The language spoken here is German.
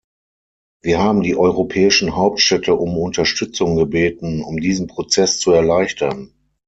Wir haben die europäischen Hauptstädte um Unterstützung gebeten, um diesen Prozess zu erleichtern.